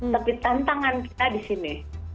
tapi tantangan kita di sini